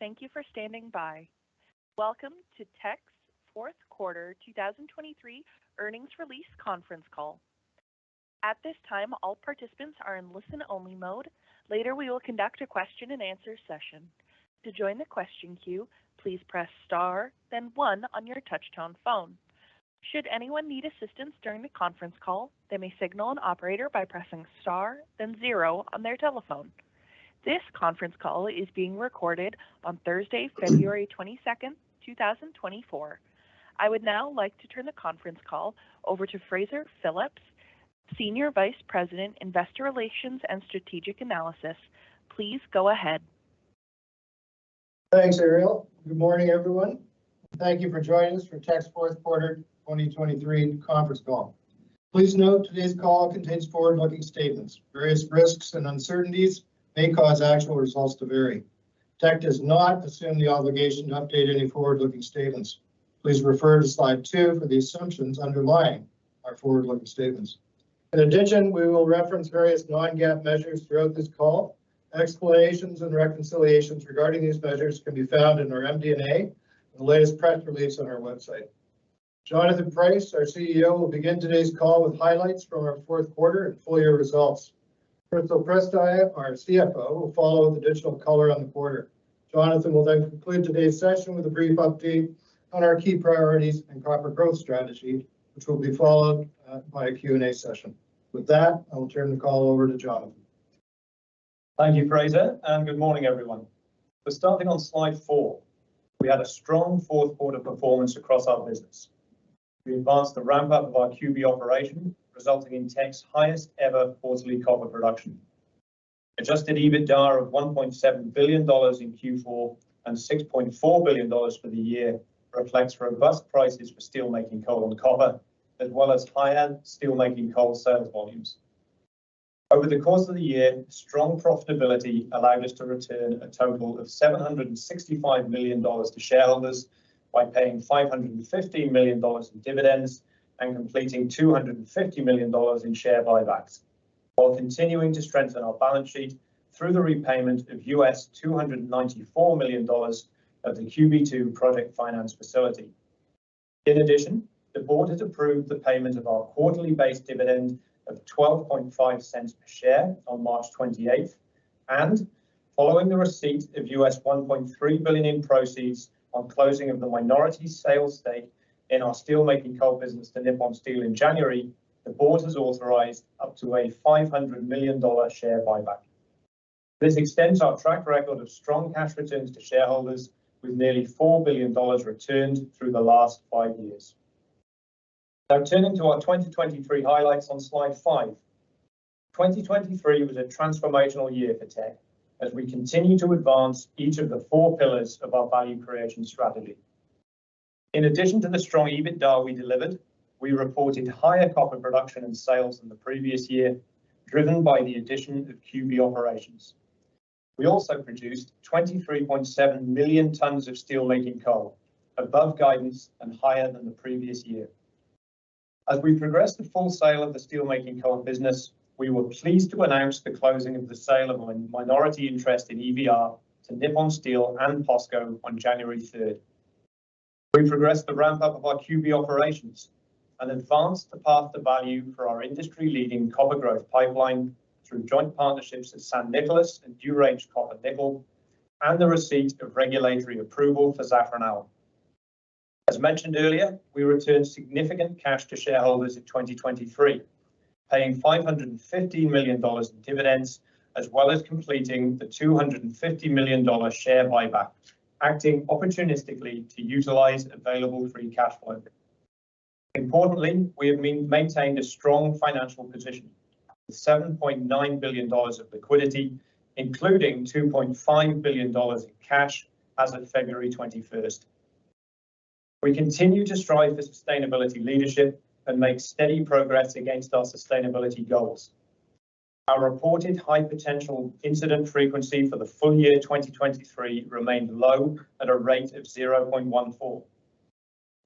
Thank you for standing by. Welcome to Teck's fourth quarter 2023 earnings release conference call. At this time, all participants are in listen-only mode. Later we will conduct a question-and-answer session. To join the question queue, please press star, then 1 on your touch-tone phone. Should anyone need assistance during the conference call, they may signal an operator by pressing star, then 0 on their telephone. This conference call is being recorded on Thursday, February 22, 2024. I would now like to turn the conference call over to Fraser Phillips, Senior Vice President, Investor Relations and Strategic Analysis. Please go ahead. Thanks, Ariel. Good morning, everyone. Thank you for joining us for Teck's fourth quarter 2023 conference call. Please note today's call contains forward-looking statements. Various risks and uncertainties may cause actual results to vary. Teck does not assume the obligation to update any forward-looking statements. Please refer to slide 2 for the assumptions underlying our forward-looking statements. In addition, we will reference various non-GAAP measures throughout this call. Explanations and reconciliations regarding these measures can be found in our MD&A and the latest press release on our website. Jonathan Price, our CEO, will begin today's call with highlights from our fourth quarter and full-year results. Crystal Prystai, our CFO, will follow with additional color on the quarter. Jonathan will then conclude today's session with a brief update on our key priorities and corporate growth strategy, which will be followed by a Q&A session. With that, I will turn the call over to Jonathan. Thank you, Fraser, and good morning, everyone. For starting on slide 4, we had a strong fourth quarter performance across our business. We advanced the ramp-up of our QB operation, resulting in Teck's highest-ever quarterly copper production. Adjusted EBITDA of $1.7 billion in Q4 and $6.4 billion for the year reflects robust prices for steelmaking coal and copper, as well as higher steelmaking coal sales volumes. Over the course of the year, strong profitability allowed us to return a total of $765 million to shareholders by paying $515 million in dividends and completing $250 million in share buybacks, while continuing to strengthen our balance sheet through the repayment of $294 million of the QB2 project finance facility. In addition, the board has approved the payment of our quarterly-based dividend of $0.125 per share on March 28, and following the receipt of $1.3 billion in proceeds on closing of the minority sales stake in our steelmaking coal business to Nippon Steel in January, the board has authorized up to a $500 million share buyback. This extends our track record of strong cash returns to shareholders, with nearly $4 billion returned through the last five years. Now, turning to our 2023 highlights on slide 5. 2023 was a transformational year for Teck, as we continue to advance each of the four pillars of our value creation strategy. In addition to the strong EBITDA we delivered, we reported higher copper production and sales than the previous year, driven by the addition of QB operations. We also produced 23.7 million tons of steelmaking coal, above guidance and higher than the previous year. As we progressed the full sale of the steelmaking coal business, we were pleased to announce the closing of the sale of our minority interest in EVR to Nippon Steel and POSCO on January 3. We progressed the ramp-up of our QB operations and advanced the path to value for our industry-leading copper growth pipeline through joint partnerships at San Nicolás and NewRange Copper Nickel, and the receipt of regulatory approval for Zafranal. As mentioned earlier, we returned significant cash to shareholders in 2023, paying $515 million in dividends as well as completing the $250 million share buyback, acting opportunistically to utilize available free cash flow. Importantly, we have maintained a strong financial position with $7.9 billion of liquidity, including $2.5 billion in cash, as of February 21. We continue to strive for sustainability leadership and make steady progress against our sustainability goals. Our reported high potential incident frequency for the full year 2023 remained low at a rate of 0.14.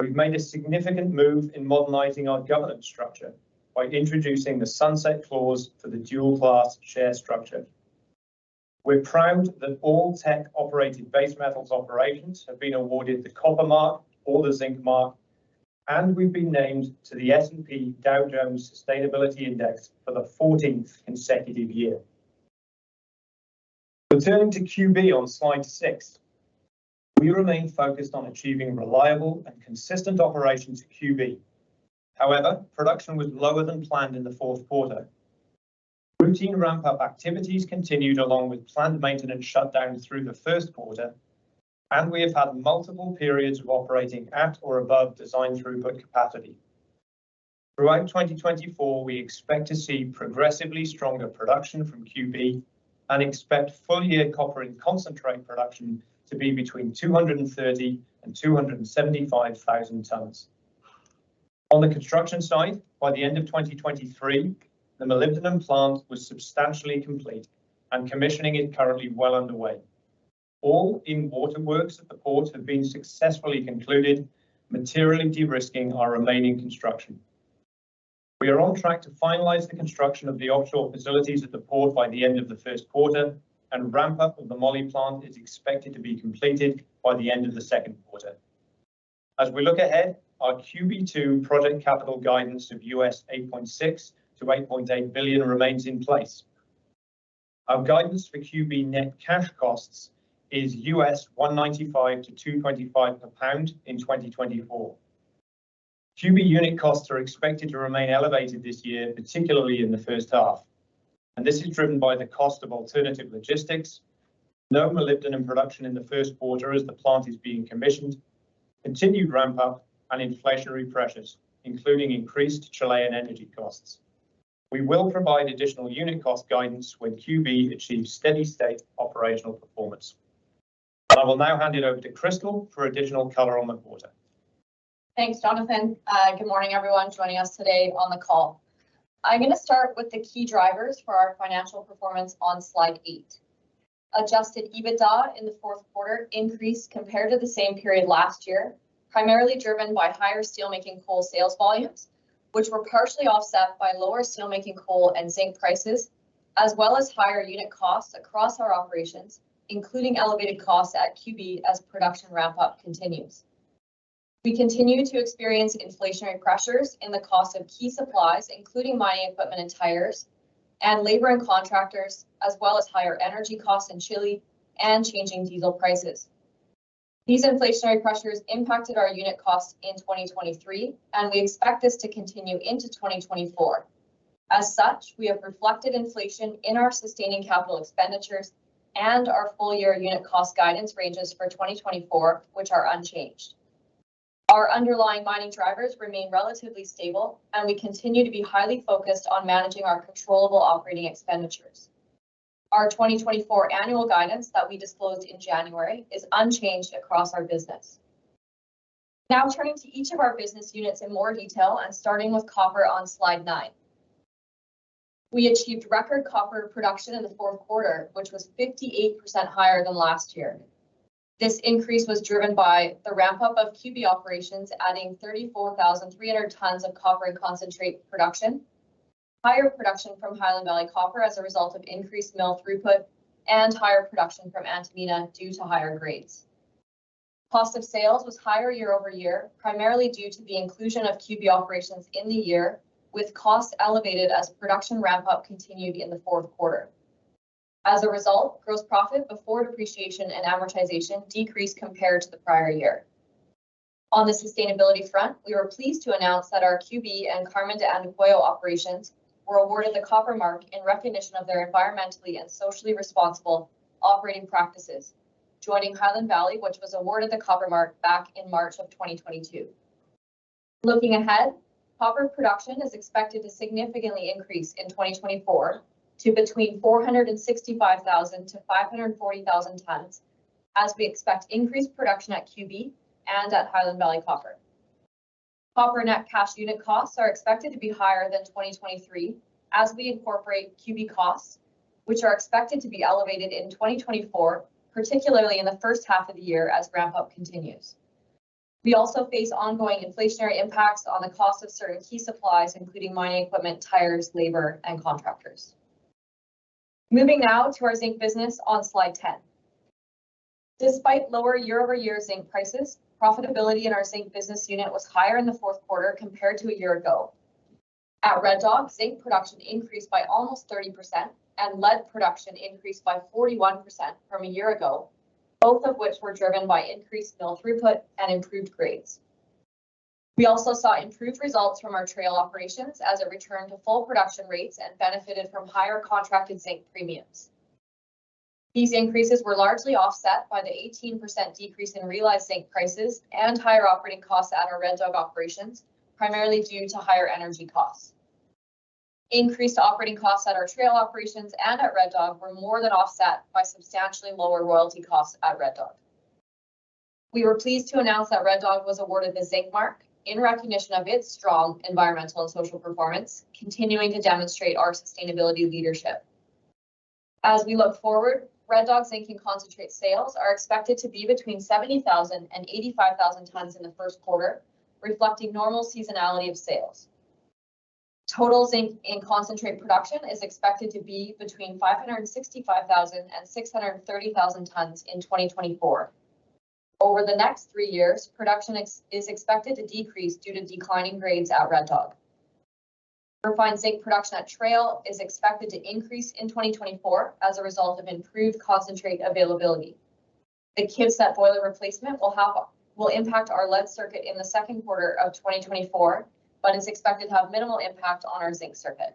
We've made a significant move in modernizing our governance structure by introducing the sunset clause for the dual-class share structure. We're proud that all Teck-operated base metals operations have been awarded the Copper Mark or the Zinc Mark, and we've been named to the S&P Dow Jones Sustainability Index for the 14th consecutive year. Returning to QB on slide 6. We remain focused on achieving reliable and consistent operations at QB. However, production was lower than planned in the fourth quarter. Routine ramp-up activities continued along with planned maintenance shutdowns through the first quarter, and we have had multiple periods of operating at or above design throughput capacity. Throughout 2024, we expect to see progressively stronger production from QB and expect full-year copper in concentrate production to be between 230,000 and 275,000 tonnes. On the construction side, by the end of 2023, the molybdenum plant was substantially complete, and commissioning is currently well underway. All in-water works at the port have been successfully concluded, materially de-risking our remaining construction. We are on track to finalize the construction of the offshore facilities at the port by the end of the first quarter, and ramp-up of the moly plant is expected to be completed by the end of the second quarter. As we look ahead, our QB2 project capital guidance of $8.6-$8.8 billion remains in place. Our guidance for QB net cash costs is $1.95-$2.25 per pound in 2024. QB unit costs are expected to remain elevated this year, particularly in the first half, and this is driven by the cost of alternative logistics, no Molybdenum production in the first quarter as the plant is being commissioned, continued ramp-up, and inflationary pressures, including increased Chilean energy costs. We will provide additional unit cost guidance when QB achieves steady state operational performance. I will now hand it over to Crystal for additional color on the quarter. Thanks, Jonathan. Good morning, everyone, joining us today on the call. I'm going to start with the key drivers for our financial performance on slide 8. Adjusted EBITDA in the fourth quarter increased compared to the same period last year, primarily driven by higher steelmaking coal sales volumes, which were partially offset by lower steelmaking coal and zinc prices, as well as higher unit costs across our operations, including elevated costs at QB as production ramp-up continues. We continue to experience inflationary pressures in the cost of key supplies, including mining equipment and tires, and labor and contractors, as well as higher energy costs in Chile and changing diesel prices. These inflationary pressures impacted our unit costs in 2023, and we expect this to continue into 2024. As such, we have reflected inflation in our sustaining capital expenditures and our full-year unit cost guidance ranges for 2024, which are unchanged. Our underlying mining drivers remain relatively stable, and we continue to be highly focused on managing our controllable operating expenditures. Our 2024 annual guidance that we disclosed in January is unchanged across our business. Now turning to each of our business units in more detail and starting with Copper on slide 9. We achieved record copper production in the fourth quarter, which was 58% higher than last year. This increase was driven by the ramp-up of QB operations, adding 34,300 tonnes of copper in concentrate production, higher production from Highland Valley Copper as a result of increased mill throughput, and higher production from Antamina due to higher grades. Cost of sales was higher year-over-year, primarily due to the inclusion of QB operations in the year, with costs elevated as production ramp-up continued in the fourth quarter. As a result, gross profit before depreciation and amortization decreased compared to the prior year. On the sustainability front, we were pleased to announce that our QB and Carmen de Andacollo operations were awarded the Copper Mark in recognition of their environmentally and socially responsible operating practices, joining Highland Valley, which was awarded the Copper Mark back in March of 2022. Looking ahead, copper production is expected to significantly increase in 2024 to between 465,000-540,000 tons, as we expect increased production at QB and at Highland Valley Copper. Copper net cash unit costs are expected to be higher than 2023 as we incorporate QB costs, which are expected to be elevated in 2024, particularly in the first half of the year as ramp-up continues. We also face ongoing inflationary impacts on the cost of certain key supplies, including mining equipment, tires, labor, and contractors. Moving now to our zinc business on slide 10. Despite lower year-over-year zinc prices, profitability in our zinc business unit was higher in the fourth quarter compared to a year ago. At Red Dog, zinc production increased by almost 30% and lead production increased by 41% from a year ago, both of which were driven by increased mill throughput and improved grades. We also saw improved results from our Trail Operations as it returned to full production rates and benefited from higher contracted zinc premiums. These increases were largely offset by the 18% decrease in realized zinc prices and higher operating costs at our Red Dog operations, primarily due to higher energy costs. Increased operating costs at our Trail Operations and at Red Dog were more than offset by substantially lower royalty costs at Red Dog. We were pleased to announce that Red Dog was awarded the Zinc Mark in recognition of its strong environmental and social performance, continuing to demonstrate our sustainability leadership. As we look forward, Red Dog zinc in concentrate sales are expected to be between 70,000-85,000 tonnes in the first quarter, reflecting normal seasonality of sales. Total zinc in concentrate production is expected to be between 565,000-630,000 tonnes in 2024. Over the next three years, production is expected to decrease due to declining grades at Red Dog. Refined zinc production at Trail is expected to increase in 2024 as a result of improved concentrate availability. The Kivcet boiler replacement will impact our lead circuit in the second quarter of 2024, but is expected to have minimal impact on our zinc circuit.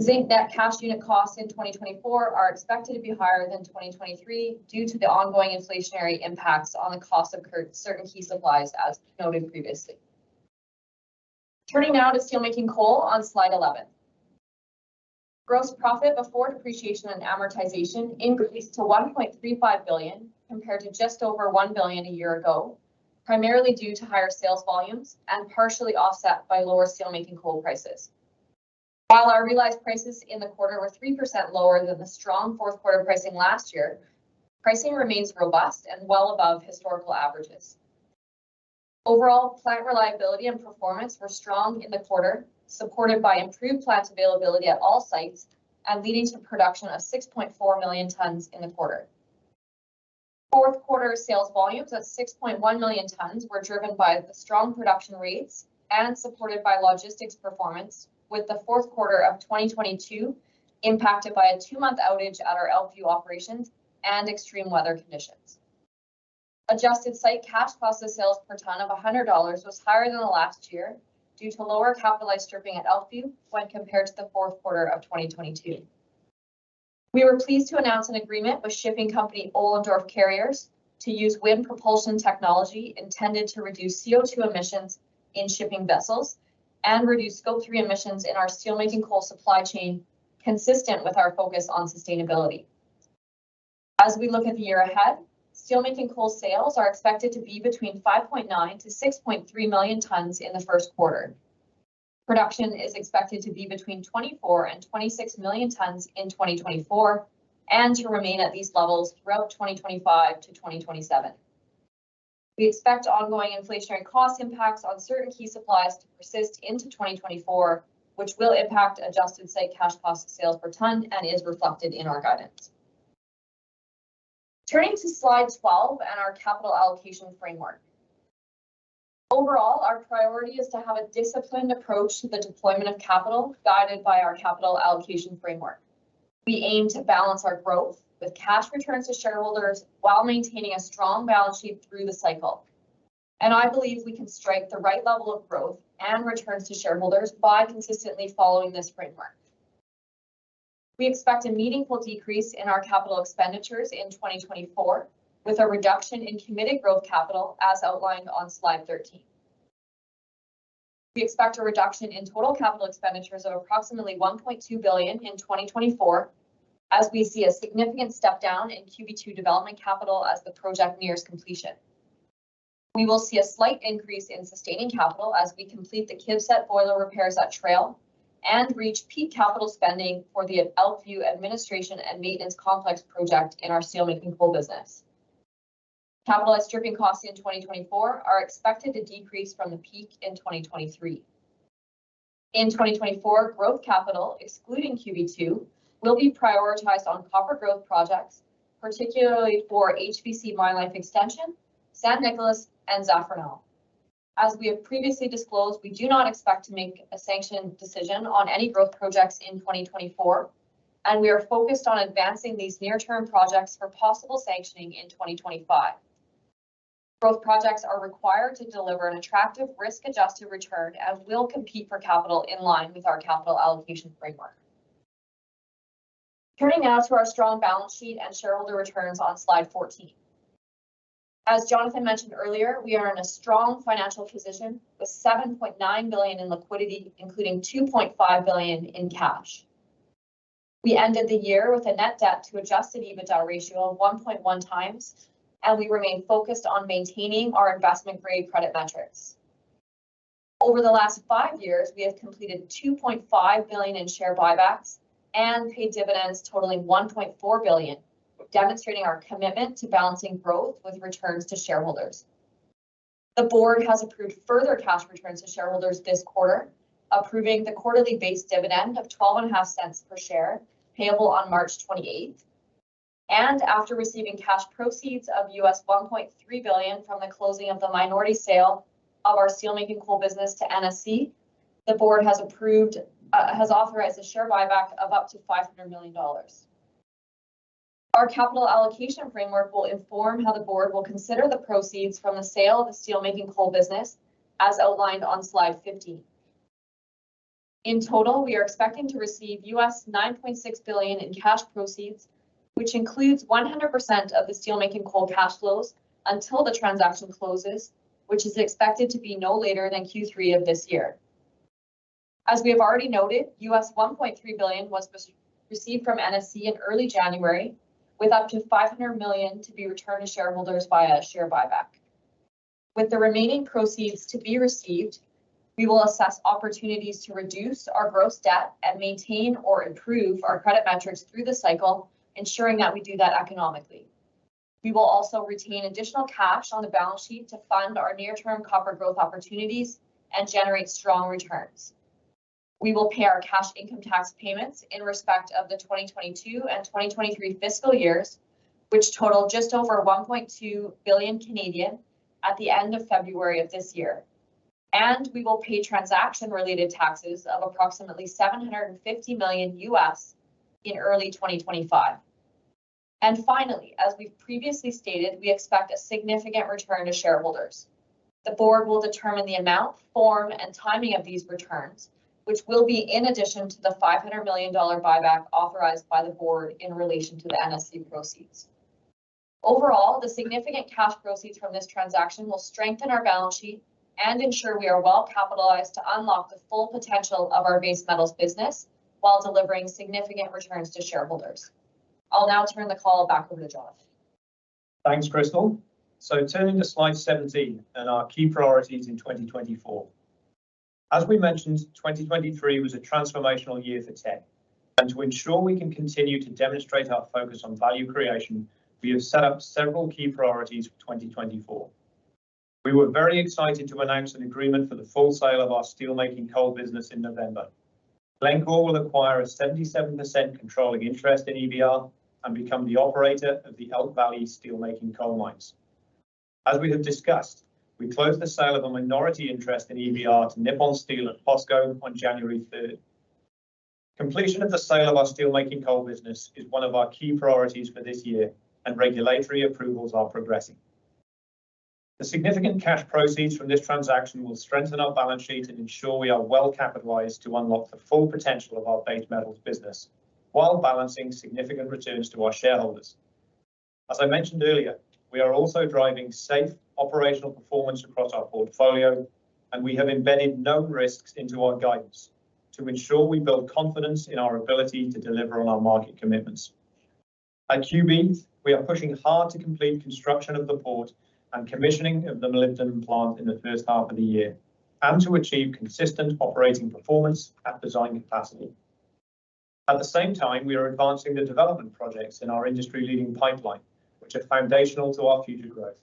Zinc net cash unit costs in 2024 are expected to be higher than 2023 due to the ongoing inflationary impacts on the cost of certain key supplies, as noted previously. Turning now to steelmaking coal on slide 11. Gross profit before depreciation and amortization increased to $1.35 billion compared to just over $1 billion a year ago, primarily due to higher sales volumes and partially offset by lower steelmaking coal prices. While our realized prices in the quarter were 3% lower than the strong fourth quarter pricing last year, pricing remains robust and well above historical averages. Overall, plant reliability and performance were strong in the quarter, supported by improved plant availability at all sites and leading to production of 6.4 million tonnes in the quarter. Fourth quarter sales volumes at 6.1 million tonnes were driven by the strong production rates and supported by logistics performance, with the fourth quarter of 2022 impacted by a two-month outage at our Elkview operations and extreme weather conditions. Adjusted site cash cost of sales per tonne of $100 was higher than the last year due to lower capitalized stripping at Elkview when compared to the fourth quarter of 2022. We were pleased to announce an agreement with shipping company Oldendorff Carriers to use wind propulsion technology intended to reduce CO2 emissions in shipping vessels and reduce Scope 3 emissions in our steelmaking coal supply chain, consistent with our focus on sustainability. As we look at the year ahead, steelmaking coal sales are expected to be between 5.9-6.3 million tonnes in the first quarter. Production is expected to be between 24 and 26 million tonnes in 2024 and to remain at these levels throughout 2025-2027. We expect ongoing inflationary cost impacts on certain key supplies to persist into 2024, which will impact adjusted site cash cost of sales per tonne and is reflected in our guidance. Turning to slide 12 and our capital allocation framework. Overall, our priority is to have a disciplined approach to the deployment of capital guided by our capital allocation framework. We aim to balance our growth with cash returns to shareholders while maintaining a strong balance sheet through the cycle. I believe we can strike the right level of growth and returns to shareholders by consistently following this framework. We expect a meaningful decrease in our capital expenditures in 2024 with a reduction in committed growth capital as outlined on slide 13. We expect a reduction in total capital expenditures of approximately $1.2 billion in 2024, as we see a significant step down in QB2 development capital as the project nears completion. We will see a slight increase in sustaining capital as we complete the Kivset boiler repairs at Trail and reach peak capital spending for the Elkview administration and maintenance complex project in our steelmaking coal business. Capitalize stripping costs in 2024 are expected to decrease from the peak in 2023. In 2024, growth capital, excluding QB2, will be prioritised on copper growth projects, particularly for HVC Mine Life Extension, San Nicolás, and Zafranal. As we have previously disclosed, we do not expect to make a sanctioned decision on any growth projects in 2024, and we are focused on advancing these near-term projects for possible sanctioning in 2025. Growth projects are required to deliver an attractive risk-adjusted return and will compete for capital in line with our capital allocation framework. Turning now to our strong balance sheet and shareholder returns on slide 14. As Jonathan mentioned earlier, we are in a strong financial position with $7.9 billion in liquidity, including $2.5 billion in cash. We ended the year with a net debt to Adjusted EBITDA ratio of 1.1 times, and we remain focused on maintaining our investment grade credit metrics. Over the last five years, we have completed $2.5 billion in share buybacks and paid dividends totaling $1.4 billion, demonstrating our commitment to balancing growth with returns to shareholders. The board has approved further cash returns to shareholders this quarter, approving the quarterly base dividend of $0.125 per share payable on March 28th. After receiving cash proceeds of $1.3 billion from the closing of the minority sale of our steelmaking coal business to NSC, the board has authorised a share buyback of up to $500 million. Our capital allocation framework will inform how the board will consider the proceeds from the sale of the steelmaking coal business as outlined on slide 15. In total, we are expecting to receive $9.6 billion in cash proceeds, which includes 100% of the steelmaking coal cash flows until the transaction closes, which is expected to be no later than Q3 of this year. As we have already noted, $1.3 billion was received from NSC in early January, with up to $500 million to be returned to shareholders via a share buyback. With the remaining proceeds to be received, we will assess opportunities to reduce our gross debt and maintain or improve our credit metrics through the cycle, ensuring that we do that economically. We will also retain additional cash on the balance sheet to fund our near-term copper growth opportunities and generate strong returns. We will pay our cash income tax payments in respect of the 2022 and 2023 fiscal years, which totaled just over 1.2 billion at the end of February of this year. We will pay transaction-related taxes of approximately $750 million in early 2025. Finally, as we've previously stated, we expect a significant return to shareholders. The board will determine the amount, form, and timing of these returns, which will be in addition to the $500 million buyback authorized by the board in relation to the NSC proceeds. Overall, the significant cash proceeds from this transaction will strengthen our balance sheet and ensure we are well capitalized to unlock the full potential of our base metals business while delivering significant returns to shareholders. I'll now turn the call back over to Jonathan. Thanks, Crystal. So turning to slide 17 and our key priorities in 2024. As we mentioned, 2023 was a transformational year for Teck. And to ensure we can continue to demonstrate our focus on value creation, we have set up several key priorities for 2024. We were very excited to announce an agreement for the full sale of our steelmaking coal business in November. Glencore will acquire a 77% controlling interest in EBR and become the operator of the Elk Valley Steelmaking Coal Mines. As we have discussed, we closed the sale of a minority interest in EBR to Nippon Steel and Posco on January 3rd. Completion of the sale of our steelmaking coal business is one of our key priorities for this year, and regulatory approvals are progressing. The significant cash proceeds from this transaction will strengthen our balance sheet and ensure we are well capitalized to unlock the full potential of our base metals business while balancing significant returns to our shareholders. As I mentioned earlier, we are also driving safe operational performance across our portfolio, and we have embedded known risks into our guidance to ensure we build confidence in our ability to deliver on our market commitments. At QB, we are pushing hard to complete construction of the port and commissioning of the milling plant in the first half of the year and to achieve consistent operating performance at design capacity. At the same time, we are advancing the development projects in our industry-leading pipeline, which are foundational to our future growth.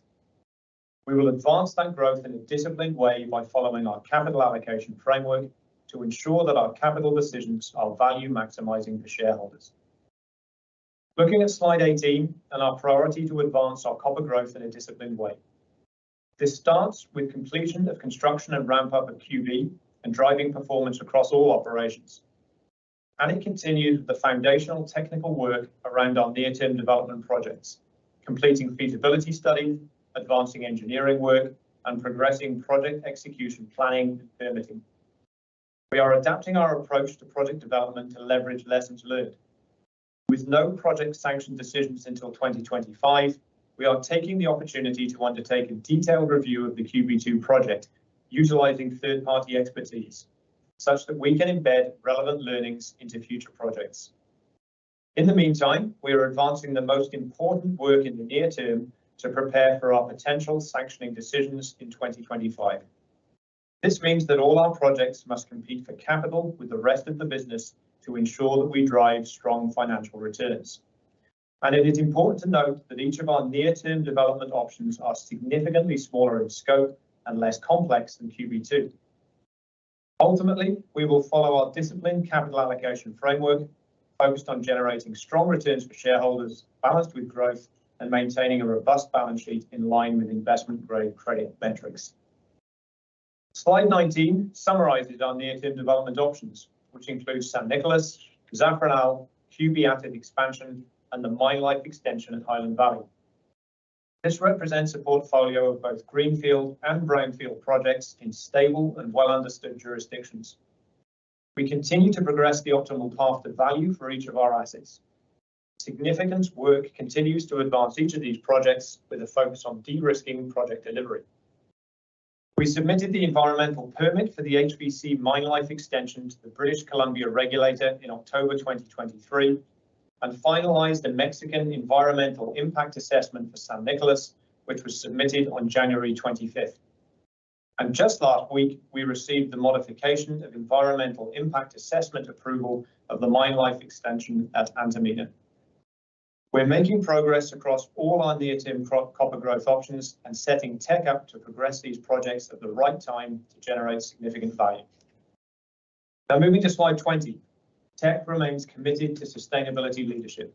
We will advance that growth in a disciplined way by following our capital allocation framework to ensure that our capital decisions are value maximizing for shareholders. Looking at Slide 18 and our priority to advance our copper growth in a disciplined way. This starts with completion of construction and ramp-up of QB and driving performance across all operations. It continues with the foundational technical work around our near-term development projects, completing feasibility studies, advancing engineering work, and progressing project execution planning and permitting. We are adapting our approach to project development to leverage lessons learned. With no project sanctioned decisions until 2025, we are taking the opportunity to undertake a detailed review of the QB2 project, utilizing third-party expertise such that we can embed relevant learnings into future projects. In the meantime, we are advancing the most important work in the near term to prepare for our potential sanctioning decisions in 2025. This means that all our projects must compete for capital with the rest of the business to ensure that we drive strong financial returns. It is important to note that each of our near-term development options are significantly smaller in scope and less complex than QB2. Ultimately, we will follow our disciplined capital allocation framework focused on generating strong returns for shareholders, balanced with growth, and maintaining a robust balance sheet in line with investment grade credit metrics. Slide 19 summarizes our near-term development options, which include San Nicolás, Zafranal, QB Asset Expansion, and the Mine Life Extension at Highland Valley. This represents a portfolio of both Greenfield and Brownfield projects in stable and well-understood jurisdictions. We continue to progress the optimal path to value for each of our assets. Significant work continues to advance each of these projects with a focus on de-risking project delivery. We submitted the environmental permit for the HVC Mine Life Extension to the British Columbia regulator in October 2023 and finalized the Mexican Environmental Impact Assessment for San Nicolás, which was submitted on January 25th. Just last week, we received the modification of Environmental Impact Assessment approval of the Mine Life Extension at Antamina. We're making progress across all our near-term copper growth options and setting Teck up to progress these projects at the right time to generate significant value. Now moving to slide 20. Teck remains committed to sustainability leadership.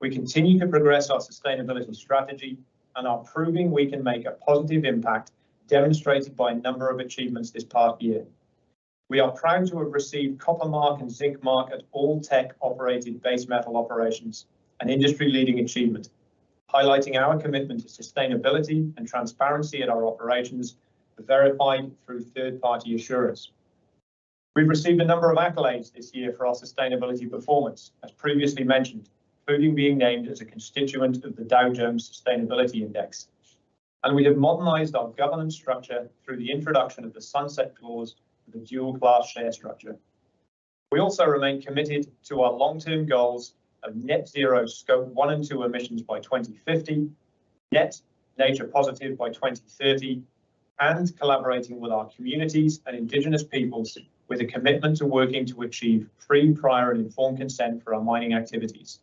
We continue to progress our sustainability strategy and are proving we can make a positive impact demonstrated by a number of achievements this past year. We are proud to have received Copper Mark and Zinc Mark at all Teck-operated base metal operations, an industry-leading achievement, highlighting our commitment to sustainability and transparency at our operations verified through third-party assurance. We've received a number of accolades this year for our sustainability performance, as previously mentioned, including being named as a constituent of the Dow Jones Sustainability Index. We have modernized our governance structure through the introduction of the Sunset Clause for the dual-class share structure. We also remain committed to our long-term goals of net-zero Scope 1 and 2 emissions by 2050, net nature positive by 2030, and collaborating with our communities and indigenous peoples with a commitment to working to achieve free, prior, and informed consent for our mining activities.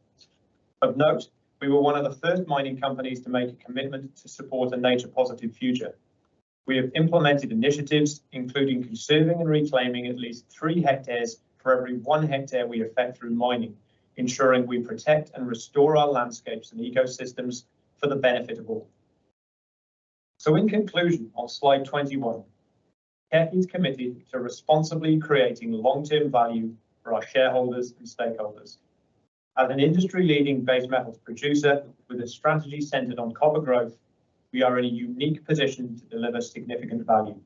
Of note, we were one of the first mining companies to make a commitment to support a nature-positive future. We have implemented initiatives, including conserving and reclaiming at least three hectares for every one hectare we affect through mining, ensuring we protect and restore our landscapes and ecosystems for the benefit of all. So in conclusion, on slide 21, Teck is committed to responsibly creating long-term value for our shareholders and stakeholders. As an industry-leading base metals producer with a strategy centered on copper growth, we are in a unique position to deliver significant value.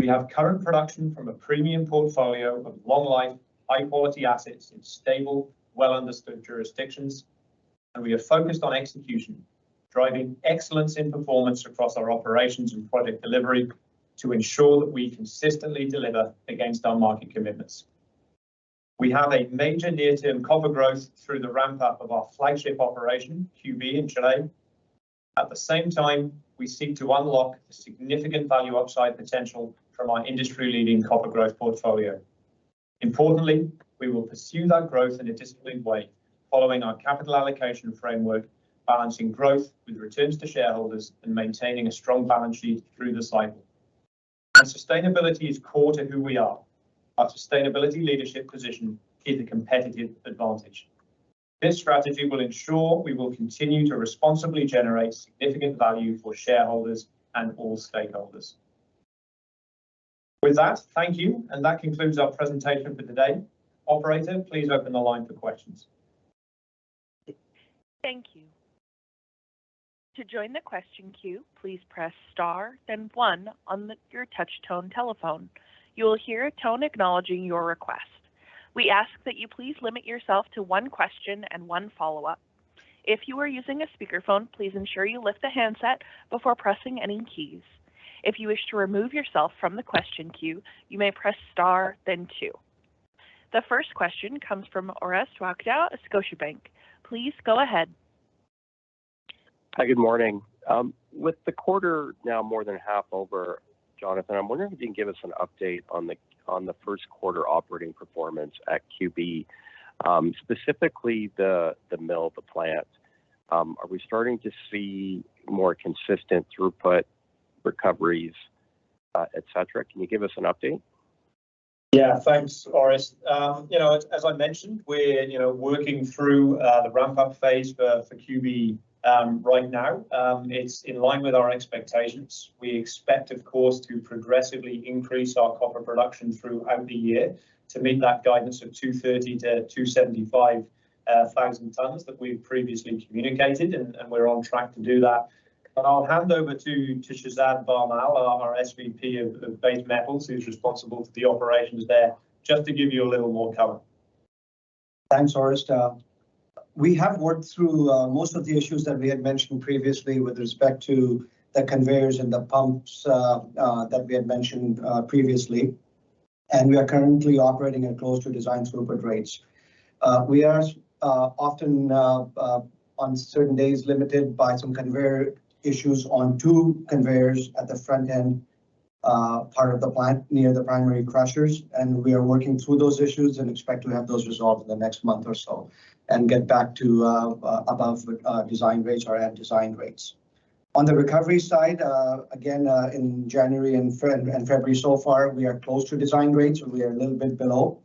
We have current production from a premium portfolio of long-life, high-quality assets in stable, well-understood jurisdictions. And we are focused on execution, driving excellence in performance across our operations and project delivery to ensure that we consistently deliver against our market commitments. We have a major near-term copper growth through the ramp-up of our flagship operation, QB, in Chile. At the same time, we seek to unlock the significant value upside potential from our industry-leading copper growth portfolio. Importantly, we will pursue that growth in a disciplined way, following our capital allocation framework, balancing growth with returns to shareholders and maintaining a strong balance sheet through the cycle. Sustainability is core to who we are. Our sustainability leadership position is a competitive advantage. This strategy will ensure we will continue to responsibly generate significant value for shareholders and all stakeholders. With that, thank you. That concludes our presentation for today. Operator, please open the line for questions. Thank you. To join the question queue, please press star, then one on your touch tone telephone. You will hear a tone acknowledging your request. We ask that you please limit yourself to one question and one follow-up. If you are using a speakerphone, please ensure you lift the handset before pressing any keys. If you wish to remove yourself from the question queue, you may press star, then two. The first question comes from Orest Wowkodaw, Scotiabank. Please go ahead. Hi, good morning. With the quarter now more than half over, Jonathan, I'm wondering if you can give us an update on the first quarter operating performance at QB, specifically the mill, the plant. Are we starting to see more consistent throughput, recoveries, etc.? Can you give us an update? Yeah, thanks, Ariel. As I mentioned, we're working through the ramp-up phase for QB right now. It's in line with our expectations. We expect, of course, to progressively increase our copper production throughout the year to meet that guidance of 230,000-275,000 tonnes that we've previously communicated, and we're on track to do that. But I'll hand over to Shehzad Bharmal, our SVP of base metals, who's responsible for the operations there, just to give you a little more cover. Thanks, Ariel. We have worked through most of the issues that we had mentioned previously with respect to the conveyors and the pumps that we had mentioned previously. We are currently operating at close to design throughput rates. We are often, on certain days, limited by some conveyor issues on two conveyors at the front-end part of the plant near the primary crushers. We are working through those issues and expect to have those resolved in the next month or so and get back to above design rates or at design rates. On the recovery side, again, in January and February so far, we are close to design rates, and we are a little bit below.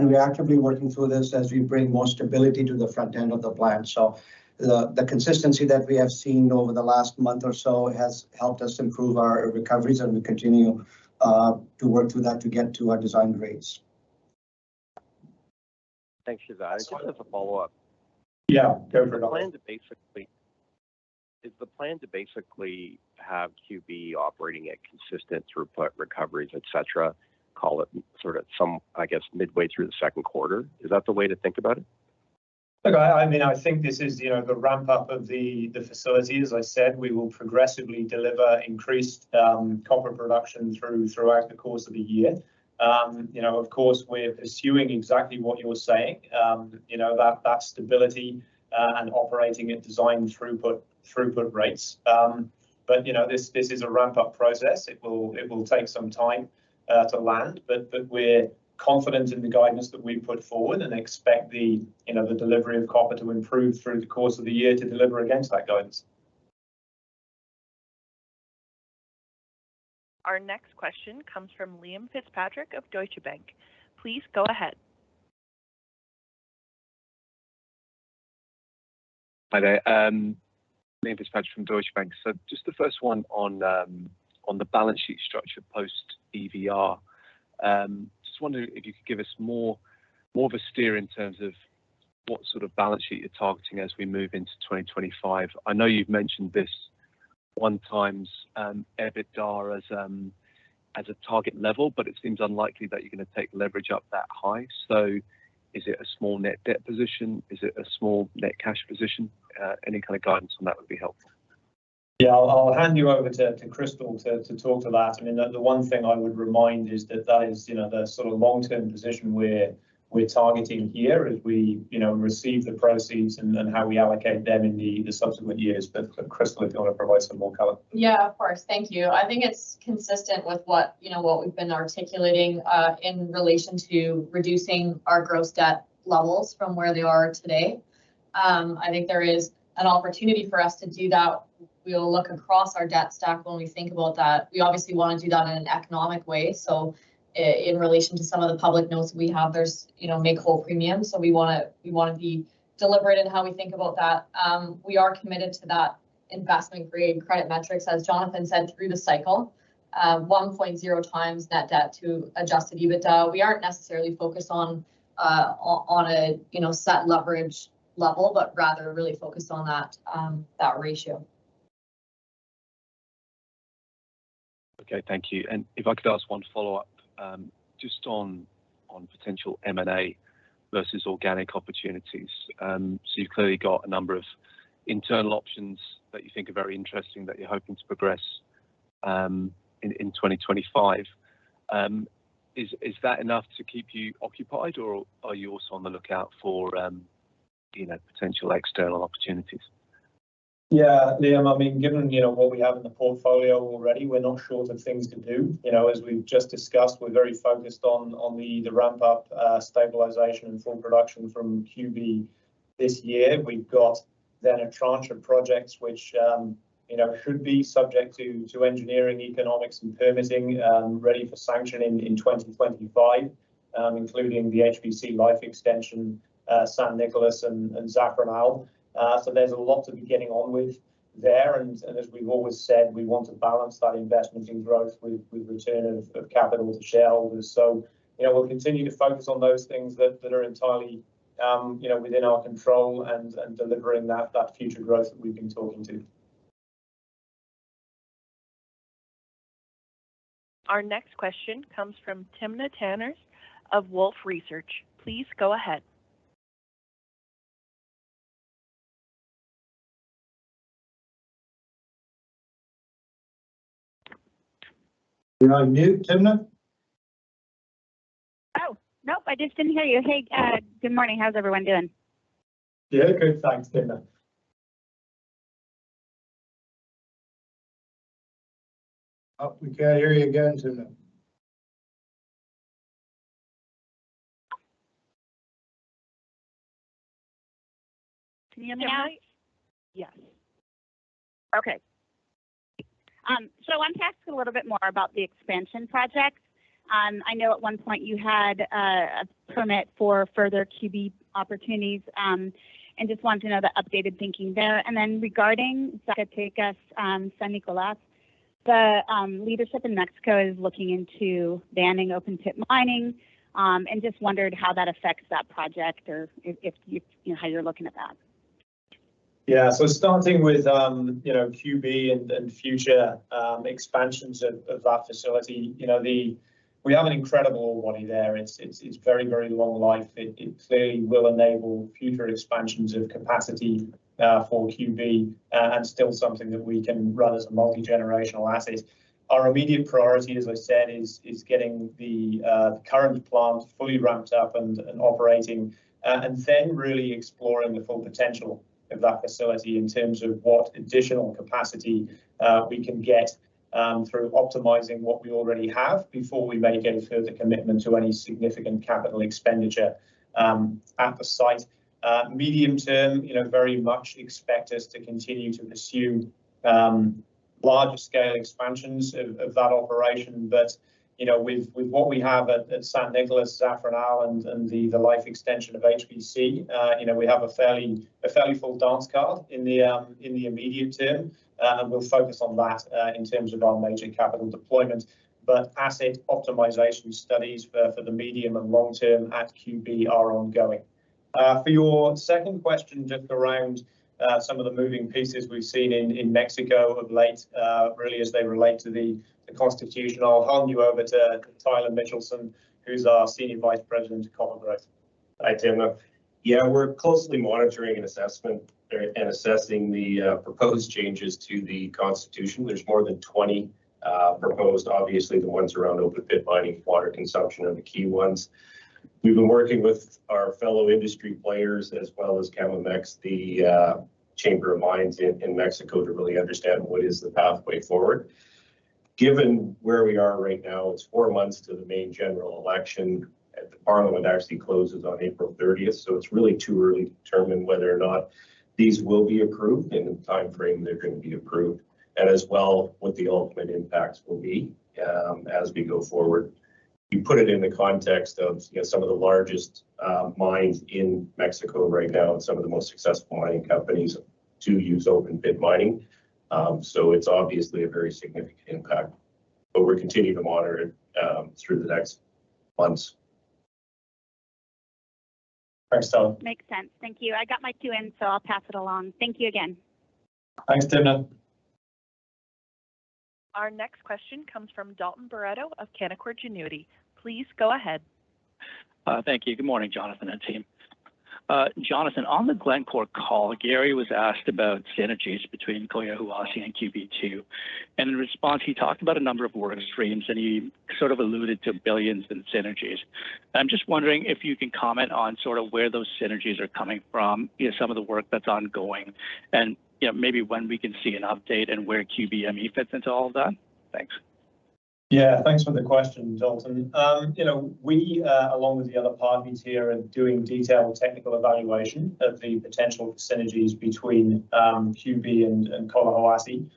We're actively working through this as we bring more stability to the front-end of the plant. The consistency that we have seen over the last month or so has helped us improve our recoveries, and we continue to work through that to get to our design rates. Thanks, Shehzad. I just have a follow-up. Yeah, go for it. Is the plan to basically have QB operating at consistent throughput, recoveries, etc.? Call it sort of some, I guess, midway through the second quarter. Is that the way to think about it? Look, I mean, I think this is the ramp-up of the facility. As I said, we will progressively deliver increased copper production throughout the course of the year. Of course, we're pursuing exactly what you're saying, that stability and operating at design throughput rates. But this is a ramp-up process. It will take some time to land. But we're confident in the guidance that we've put forward and expect the delivery of copper to improve through the course of the year to deliver against that guidance. Our next question comes from Liam Fitzpatrick of Deutsche Bank. Please go ahead. Hi there. Liam Fitzpatrick from Deutsche Bank. Just the first one on the balance sheet structure post-EVR. Just wondering if you could give us more of a steer in terms of what sort of balance sheet you're targeting as we move into 2025. I know you've mentioned this 1x EBITDA as a target level, but it seems unlikely that you're going to take leverage up that high. So is it a small net debt position? Is it a small net cash position? Any kind of guidance on that would be helpful. Yeah, I'll hand you over to Crystal to talk to that. I mean, the one thing I would remind is that that is the sort of long-term position we're targeting here as we receive the proceeds and how we allocate them in the subsequent years. But Crystal, if you want to provide some more color. Yeah, of course. Thank you. I think it's consistent with what we've been articulating in relation to reducing our gross debt levels from where they are today. I think there is an opportunity for us to do that. We'll look across our debt stack when we think about that. We obviously want to do that in an economic way. So in relation to some of the public notes we have, there's make-whole premium. So we want to be deliberate in how we think about that. We are committed to that investment grade credit metrics, as Jonathan said, through the cycle, 1.0 times net debt to Adjusted EBITDA. We aren't necessarily focused on a set leverage level, but rather really focused on that ratio. Okay, thank you. If I could ask one follow-up just on potential M&A versus organic opportunities. You've clearly got a number of internal options that you think are very interesting, that you're hoping to progress in 2025. Is that enough to keep you occupied, or are you also on the lookout for potential external opportunities? Yeah, Liam. I mean, given what we have in the portfolio already, we're not short of things to do. As we've just discussed, we're very focused on the ramp-up, stabilization, and full production from QB this year. We've got then a tranche of projects which should be subject to engineering, economics, and permitting, ready for sanction in 2025, including the HVC Life Extension, San Nicolás, and Zafranal. So there's a lot to be getting on with there. And as we've always said, we want to balance that investment in growth with return of capital to shareholders. So we'll continue to focus on those things that are entirely within our control and delivering that future growth that we've been talking to. Our next question comes from Timna Tanners of Wolfe Research. Please go ahead. We are on mute, Timna. Oh, nope. I just didn't hear you. Hey, good morning. How's everyone doing? Yeah, good. Thanks, Timna. Oh, we can't hear you again, Timna. Can you hear me now? Yes. Okay. So I'm tasked a little bit more about the expansion project. I know at one point you had a permit for further QB opportunities and just wanted to know the updated thinking there. Then regarding Zacatecas, San Nicolás, the leadership in Mexico is looking into banning open-pit mining and just wondered how that affects that project or how you're looking at that. Yeah. So starting with QB and future expansions of that facility, we have an incredible body there. It's very, very long life. It clearly will enable future expansions of capacity for QB and still something that we can run as a multi-generational asset. Our immediate priority, as I said, is getting the current plant fully ramped up and operating and then really exploring the full potential of that facility in terms of what additional capacity we can get through optimizing what we already have before we make a further commitment to any significant capital expenditure at the site. Medium-term, very much expect us to continue to pursue larger-scale expansions of that operation. But with what we have at San Nicolás, Zafranal, and the Life Extension of HVC, we have a fairly full dance card in the immediate term, and we'll focus on that in terms of our major capital deployment. But asset optimization studies for the medium and long term at QB are ongoing. For your second question, just around some of the moving pieces we've seen in Mexico of late, really, as they relate to the constitution, I'll hand you over to Tyler Mitchelson, who's our senior vice president of copper growth. Hi, Timna. Yeah, we're closely monitoring and assessing the proposed changes to the constitution. There's more than 20 proposed, obviously, the ones around open-pit mining, water consumption, and the key ones. We've been working with our fellow industry players as well as Camimex, the chamber of mines in Mexico, to really understand what is the pathway forward. Given where we are right now, it's four months to the main general election. The parliament actually closes on April 30th. So it's really too early to determine whether or not these will be approved in the timeframe they're going to be approved, and as well what the ultimate impacts will be as we go forward. You put it in the context of some of the largest mines in Mexico right now and some of the most successful mining companies do use open-pit mining. So it's obviously a very significant impact. But we're continuing to monitor it through the next months. Thanks, Tom. Makes sense. Thank you. I got my two in, so I'll pass it along. Thank you again. Thanks, Timna. Our next question comes from Dalton Baretto of Canaccord Genuity. Please go ahead. Thank you. Good morning, Jonathan and team. Jonathan, on the Glencore call, Gary was asked about synergies between Collahuasi and QB2. In response, he talked about a number of work streams, and he sort of alluded to billions in synergies. I'm just wondering if you can comment on sort of where those synergies are coming from, some of the work that's ongoing, and maybe when we can see an update and where QBME fits into all of that. Thanks. Yeah, thanks for the question, Dalton. We, along with the other parties here, are doing detailed technical evaluation of the potential synergies between QB and Collahuasi.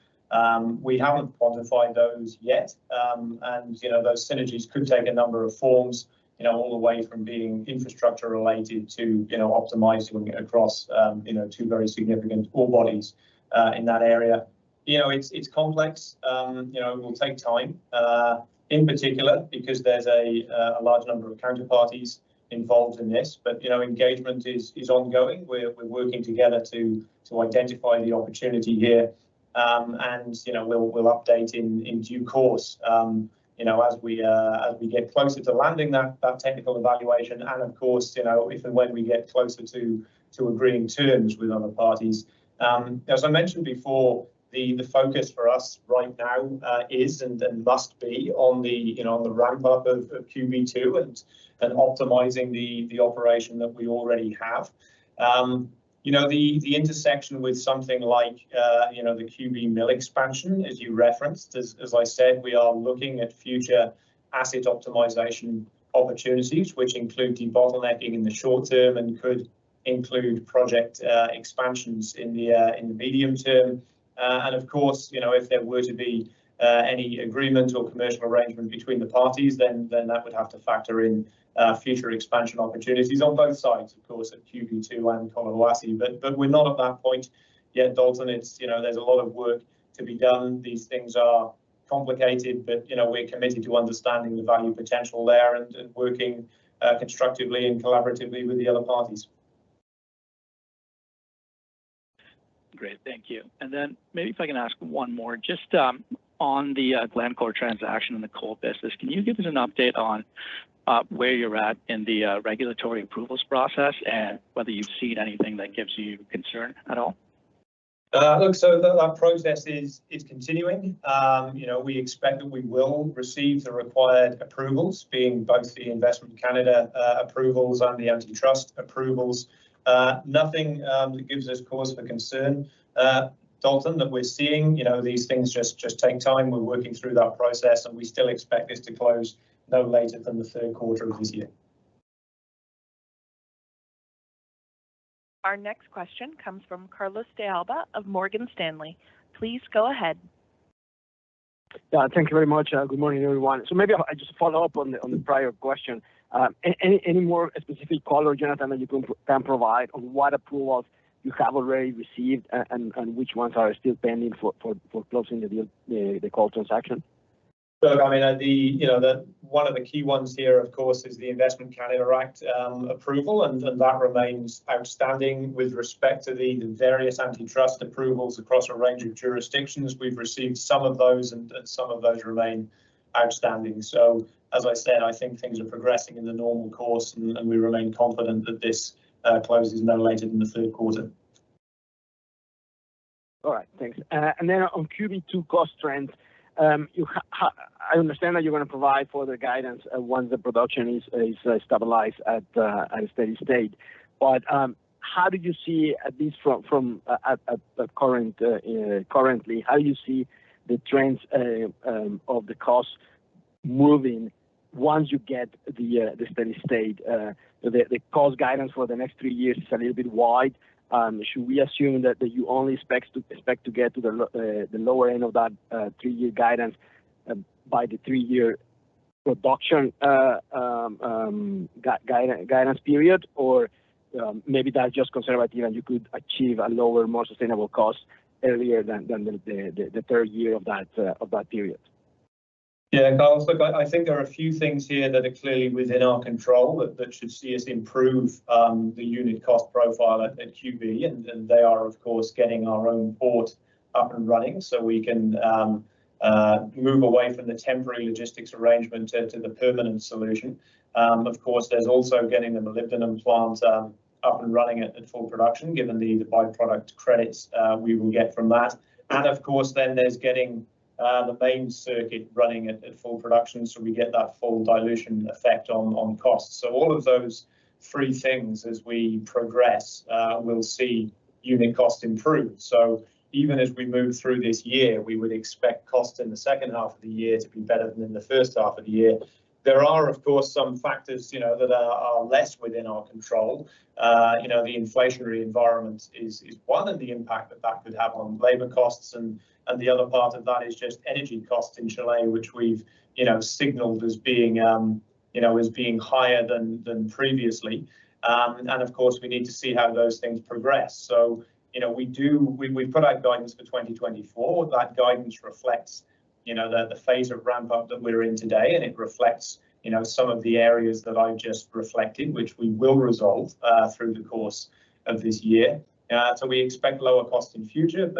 We haven't quantified those yet. And those synergies could take a number of forms, all the way from being infrastructure-related to optimizing across two very significant ore bodies in that area. It's complex. It will take time, in particular, because there's a large number of counterparties involved in this. But engagement is ongoing. We're working together to identify the opportunity here. And we'll update in due course as we get closer to landing that technical evaluation and, of course, if and when we get closer to agreeing terms with other parties. As I mentioned before, the focus for us right now is and must be on the ramp-up of QB2 and optimizing the operation that we already have. The intersection with something like the QB Mill expansion, as you referenced, as I said, we are looking at future asset optimization opportunities, which include debottlenecking in the short term and could include project expansions in the medium term. And of course, if there were to be any agreement or commercial arrangement between the parties, then that would have to factor in future expansion opportunities on both sides, of course, at QB2 and Collahuasi. But we're not at that point yet, Dalton. There's a lot of work to be done. These things are complicated, but we're committed to understanding the value potential there and working constructively and collaboratively with the other parties. Great. Thank you. And then maybe if I can ask one more. Just on the Glencore transaction and the coal business, can you give us an update on where you're at in the regulatory approvals process and whether you've seen anything that gives you concern at all? Look, so that process is continuing. We expect that we will receive the required approvals, being both the Investment Canada approvals and the antitrust approvals. Nothing that gives us cause for concern, Dalton, that we're seeing. These things just take time. We're working through that process, and we still expect this to close no later than the third quarter of this year. Our next question comes from Carlos De Alba of Morgan Stanley. Please go ahead. Yeah, thank you very much. Good morning, everyone. So maybe I just follow up on the prior question. Any more specific color, Jonathan, that you can provide on what approvals you have already received and which ones are still pending for closing the coal transaction? Look, I mean, one of the key ones here, of course, is the Investment Canada Act approval. That remains outstanding with respect to the various antitrust approvals across a range of jurisdictions. We've received some of those, and some of those remain outstanding. As I said, I think things are progressing in the normal course, and we remain confident that this closes no later than the third quarter. All right. Thanks. And then on QB2 cost trends, I understand that you're going to provide further guidance once the production is stabilized at a steady state. But how do you see at least from currently, how do you see the trends of the cost moving once you get the steady state? The cost guidance for the next three years is a little bit wide. Should we assume that you only expect to get to the lower end of that three-year guidance by the three-year production guidance period, or maybe that's just conservative and you could achieve a lower, more sustainable cost earlier than the third year of that period? Yeah, Carlos. Look, I think there are a few things here that are clearly within our control that should see us improve the unit cost profile at QB. And they are, of course, getting our own port up and running so we can move away from the temporary logistics arrangement to the permanent solution. Of course, there's also getting the Molybdenum plant up and running at full production, given the byproduct credits we will get from that. And of course, then there's getting the main circuit running at full production so we get that full dilution effect on costs. So all of those three things, as we progress, we'll see unit cost improve. So even as we move through this year, we would expect cost in the second half of the year to be better than in the first half of the year. There are, of course, some factors that are less within our control. The inflationary environment is one and the impact that that could have on labor costs. The other part of that is just energy costs in Chile, which we've signaled as being higher than previously. Of course, we need to see how those things progress. We've put out guidance for 2024. That guidance reflects the phase of ramp-up that we're in today, and it reflects some of the areas that I've just reflected, which we will resolve through the course of this year. We expect lower costs in future.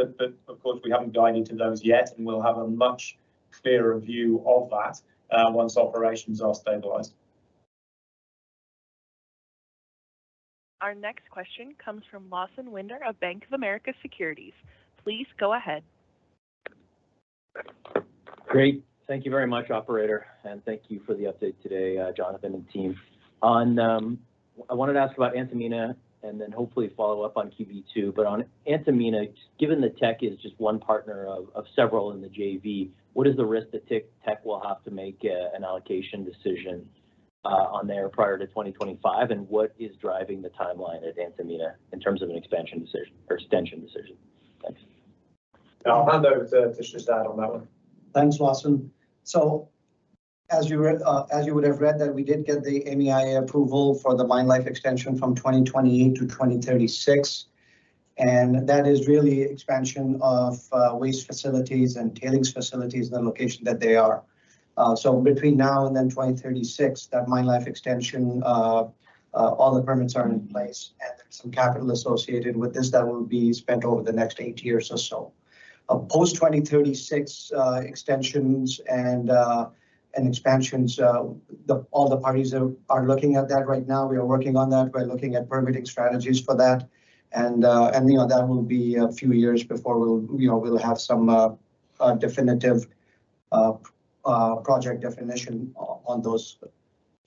Of course, we haven't guided to those yet, and we'll have a much clearer view of that once operations are stabilized. Our next question comes from Lawson Winder of Bank of America Securities. Please go ahead. Great. Thank you very much, operator. And thank you for the update today, Jonathan and team. I wanted to ask about Antamina and then hopefully follow up on QB2. But on Antamina, given that Teck is just one partner of several in the JV, what is the risk that Teck will have to make an allocation decision on there prior to 2025? And what is driving the timeline at Antamina in terms of an extension decision? Thanks. Yeah, I'll hand over to Shehzad on that one. Thanks, Lawson. So as you would have read that, we did get the MEIA approval for the mine life extension from 2028 to 2036. And that is really expansion of waste facilities and tailings facilities in the location that they are. So between now and then 2036, that mine life extension, all the permits are in place, and there's some capital associated with this that will be spent over the next 8 years or so. Post-2036 extensions and expansions, all the parties are looking at that right now. We are working on that. We're looking at permitting strategies for that. And that will be a few years before we'll have some definitive project definition on those.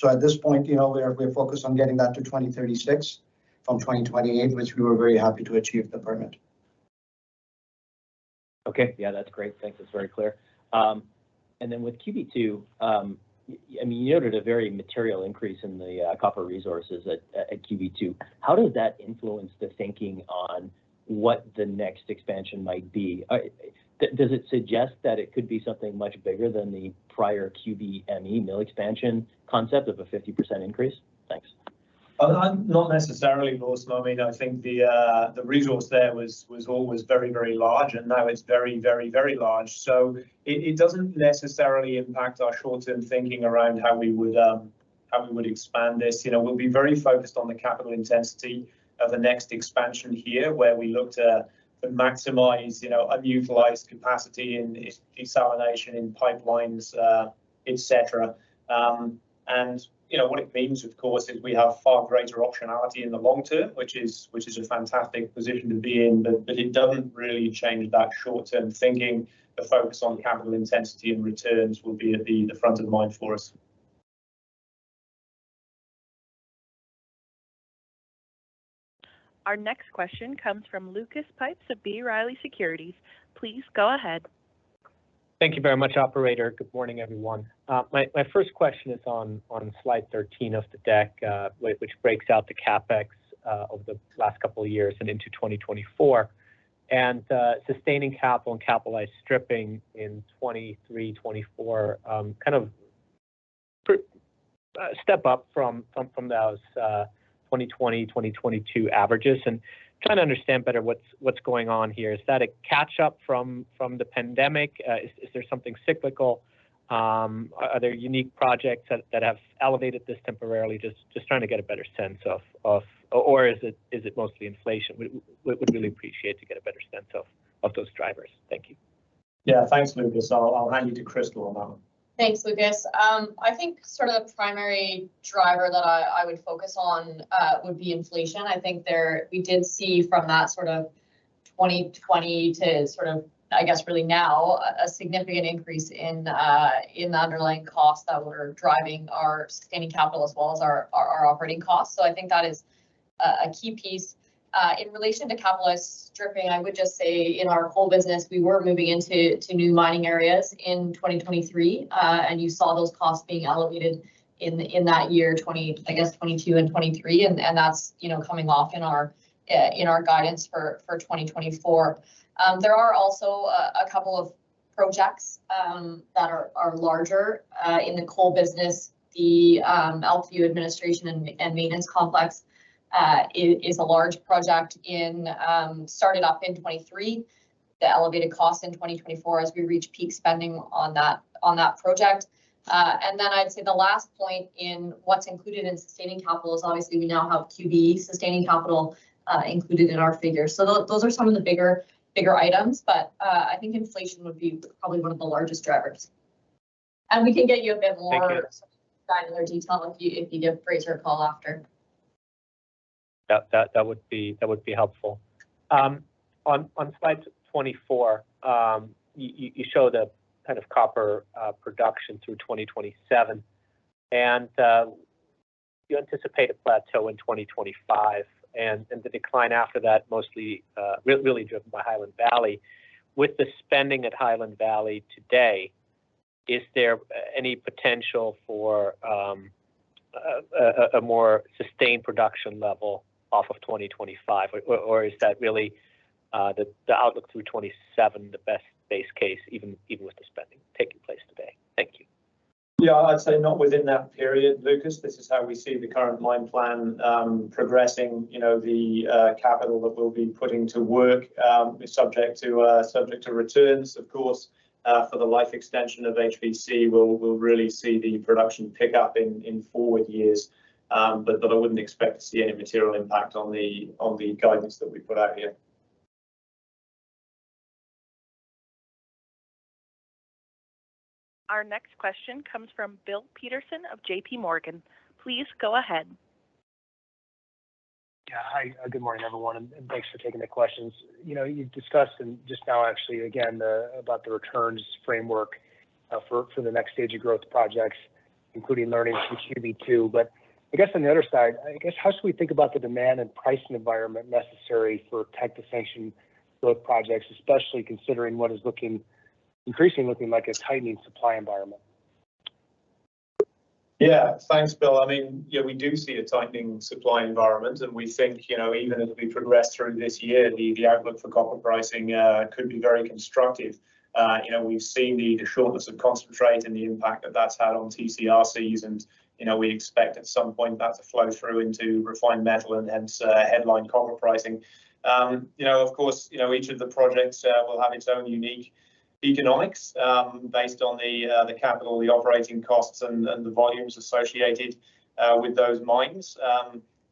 So at this point, we're focused on getting that to 2036 from 2028, which we were very happy to achieve the permit. Okay. Yeah, that's great. Thanks. That's very clear. And then with QB2, I mean, you noted a very material increase in the copper resources at QB2. How does that influence the thinking on what the next expansion might be? Does it suggest that it could be something much bigger than the prior QBME Mill expansion concept of a 50% increase? Thanks. Not necessarily, Lawson. I mean, I think the resource there was always very, very large, and now it's very, very, very large. So it doesn't necessarily impact our short-term thinking around how we would expand this. We'll be very focused on the capital intensity of the next expansion here, where we look to maximize unutilized capacity in desalination, in pipelines, etc. And what it means, of course, is we have far greater optionality in the long term, which is a fantastic position to be in. But it doesn't really change that short-term thinking. The focus on capital intensity and returns will be at the front of mind for us. Our next question comes from Lucas Pipes of B. Riley Securities. Please go ahead. Thank you very much, operator. Good morning, everyone. My first question is on slide 13 of the deck, which breaks out the CapEx of the last couple of years and into 2024 and sustaining capital and capitalized stripping in 2023, 2024, kind of step up from those 2020, 2022 averages and trying to understand better what's going on here. Is that a catch-up from the pandemic? Is there something cyclical? Are there unique projects that have elevated this temporarily? Just trying to get a better sense of or is it mostly inflation? We'd really appreciate to get a better sense of those drivers. Thank you. Yeah, thanks, Lucas. I'll hand you to Crystal on that one. Thanks, Lucas. I think sort of the primary driver that I would focus on would be inflation. I think we did see from that sort of 2020 to sort of, I guess, really now, a significant increase in the underlying costs that were driving our sustaining capital as well as our operating costs. So I think that is a key piece. In relation to capitalized stripping, I would just say in our coal business, we were moving into new mining areas in 2023, and you saw those costs being elevated in that year, I guess, 2022 and 2023. And that's coming off in our guidance for 2024. There are also a couple of projects that are larger in the coal business. The LPU administration and maintenance complex is a large project that started up in 2023. The elevated costs in 2024 as we reach peak spending on that project. And then I'd say the last point in what's included in sustaining capital is obviously, we now have QB sustaining capital included in our figure. So those are some of the bigger items. But I think inflation would be probably one of the largest drivers. And we can get you a bit more granular detail if you give Fraser a call after. Yeah, that would be helpful. On slide 24, you show the kind of copper production through 2027. And you anticipate a plateau in 2025 and the decline after that, really driven by Highland Valley. With the spending at Highland Valley today, is there any potential for a more sustained production level off of 2025? Or is that really the outlook through 2027, the best base case, even with the spending taking place today? Thank you. Yeah, I'd say not within that period, Lucas. This is how we see the current mine plan progressing. The capital that we'll be putting to work is subject to returns, of course. For the life extension of HVC, we'll really see the production pick up in forward years. But I wouldn't expect to see any material impact on the guidance that we put out here. Our next question comes from Bill Peterson of J.P. Morgan. Please go ahead. Yeah, hi. Good morning, everyone, and thanks for taking the questions. You've discussed just now, actually, again, about the returns framework for the next stage of growth projects, including learning from QB2. But I guess on the other side, I guess, how should we think about the demand and pricing environment necessary for Teck to sanction growth projects, especially considering what is increasingly looking like a tightening supply environment? Yeah, thanks, Bill. I mean, we do see a tightening supply environment. We think even as we progress through this year, the outlook for copper pricing could be very constructive. We've seen the shortness of concentrate and the impact that that's had on TCRCs. We expect at some point that to flow through into refined metal and hence headline copper pricing. Of course, each of the projects will have its own unique economics based on the capital, the operating costs, and the volumes associated with those mines.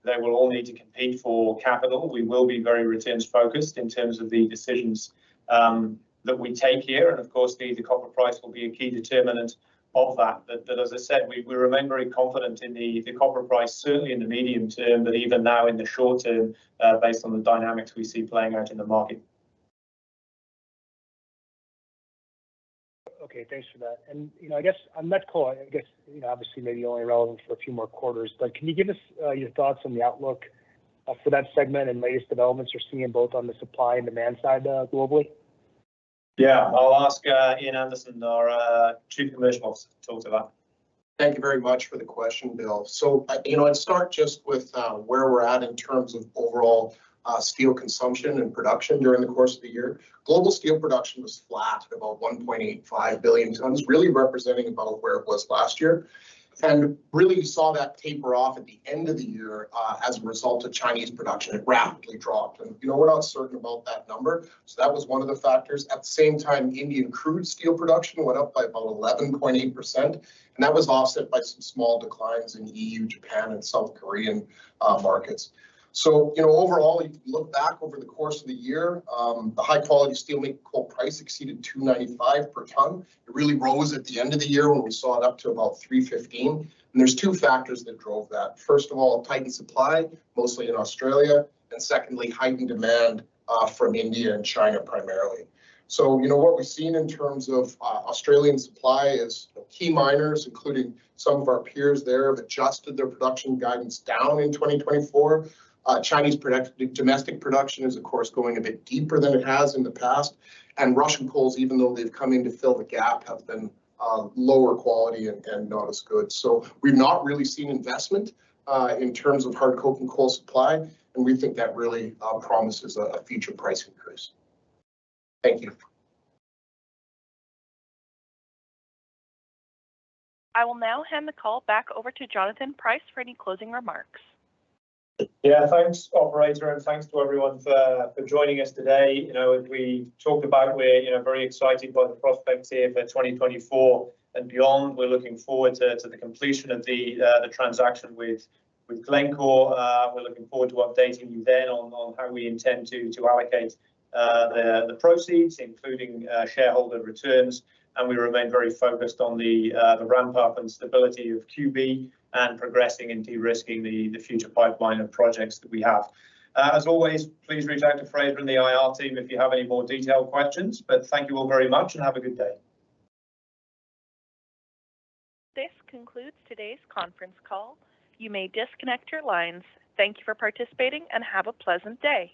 They will all need to compete for capital. We will be very returns-focused in terms of the decisions that we take here. Of course, the copper price will be a key determinant of that. But as I said, we remain very confident in the copper price, certainly in the medium term, but even now in the short term, based on the dynamics we see playing out in the market. Okay. Thanks for that. I guess on that call, I guess obviously, maybe only relevant for a few more quarters, but can you give us your thoughts on the outlook for that segment and latest developments you're seeing both on the supply and demand side globally? Yeah. I'll ask Ian Anderson, our Chief Commercial Officer, to talk to that. Thank you very much for the question, Bill. So I'd start just with where we're at in terms of overall steel consumption and production during the course of the year. Global steel production was flat at about 1.85 billion tonnes, really representing about where it was last year. And really, you saw that taper off at the end of the year as a result of Chinese production. It rapidly dropped. And we're not certain about that number. So that was one of the factors. At the same time, Indian crude steel production went up by about 11.8%. And that was offset by some small declines in EU, Japan, and South Korean markets. So overall, if you look back over the course of the year, the high-quality steelmaking coal price exceeded $295 per tonne. It really rose at the end of the year when we saw it up to about $315. There's two factors that drove that. First of all, a tightened supply, mostly in Australia. And secondly, heightened demand from India and China primarily. So what we've seen in terms of Australian supply is key miners, including some of our peers there, have adjusted their production guidance down in 2024. Chinese domestic production is, of course, going a bit deeper than it has in the past. And Russian coals, even though they've come in to fill the gap, have been lower quality and not as good. So we've not really seen investment in terms of hard-coking coal supply. And we think that really promises a future price increase. Thank you. I will now hand the call back over to Jonathan Price for any closing remarks. Yeah, thanks, operator. Thanks to everyone for joining us today. As we talked about, we're very excited by the prospects here for 2024 and beyond. We're looking forward to the completion of the transaction with Glencore. We're looking forward to updating you then on how we intend to allocate the proceeds, including shareholder returns. We remain very focused on the ramp-up and stability of QB and progressing and de-risking the future pipeline of projects that we have. As always, please reach out to Fraser and the IR team if you have any more detailed questions. Thank you all very much, and have a good day. This concludes today's conference call. You may disconnect your lines. Thank you for participating, and have a pleasant day.